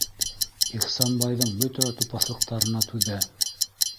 Ихсанбайҙың бөтә тупаҫлыҡтарына түҙә.